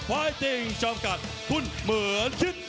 ไฟติ้งจำกัดคุณเหมือนคิด